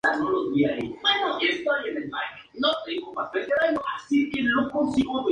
¿que usted partiese?